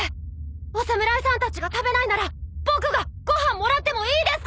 お侍さんたちが食べないなら僕がご飯もらってもいいですか！？